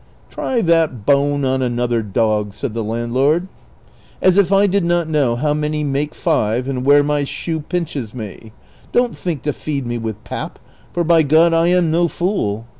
" Try that bone on another dog," ^ said the landlord ;" as if I did not know how many make five, and where my shoe pinches me ;^ don't think to feed me with pap, for by God I am no fool.